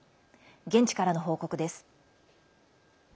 現地からの報告です。